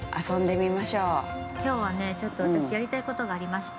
◆きょうはね、ちょっと私やりたいことがありまして。